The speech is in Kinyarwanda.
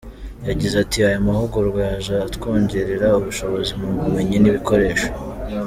Yagize ati “Aya mahugurwa yaje atwongerera ubushobozi mu bumenyi n’ibikoresho.